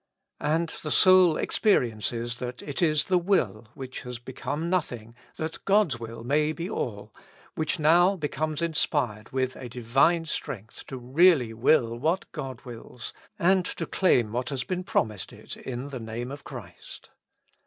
And the soul experiences that it is the will, which has become nothing that God's will may be all, which now be comes inspired with a Divine strength to really will what God wills, and to claim what has been promised it in the name of Christ.